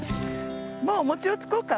もうおもちをつこうか？